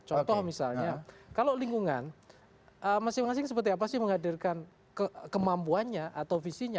contoh misalnya kalau lingkungan masing masing seperti apa sih menghadirkan kemampuannya atau visinya